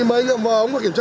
mình sử dụng rượu bia chưa